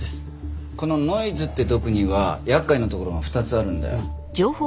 このノイズって毒には厄介なところが２つあるんだよ。